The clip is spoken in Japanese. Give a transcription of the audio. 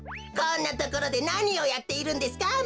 こんなところでなにをやっているんですか？